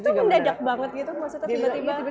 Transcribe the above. itu kan mendadak banget gitu maksudnya tiba tiba